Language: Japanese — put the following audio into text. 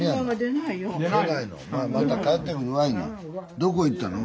どこ行ったの？